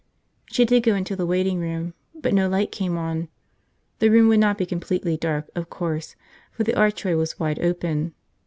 She did go into the waiting room, but no light came on. The room would not be completely dark, of course, for the archway was wide open.